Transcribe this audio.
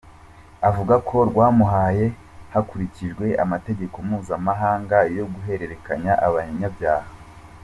Avuga ko rwamuhawe hakurikijwe amategeko mpuzamahanga yo guhererekanya abanyabyaha.